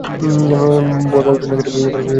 ভর বা ওজনের ক্ষেত্রে বিভিন্ন ধরনের "টন" পরিমাপ রয়েছে।